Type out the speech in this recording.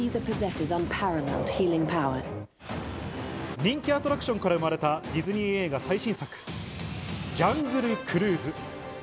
人気アトラクションから生まれたディズニー映画最新作『ジャングル・クルーズ』。